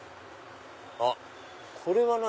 あっこれは何？